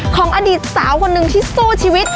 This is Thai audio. ของอดีตสาวคนหนึ่งที่สู้ชีวิต